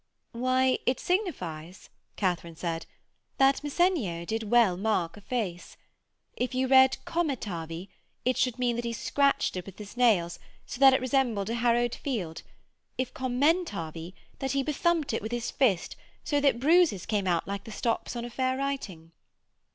'Why, it signifies,' Katharine said, 'that Messenio did well mark a face. If you read commetavi it should mean that he scratched it with his nails so that it resembled a harrowed field; if commentavi, that he bethumped it with his fist so that bruises came out like the stops on a fair writing.'